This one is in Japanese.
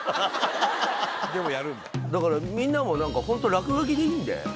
だからみんなもホント落書きでいいんで。